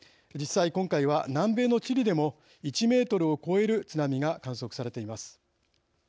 今回は、実際、南米のチリでも１メートルを超える津波が観測されています。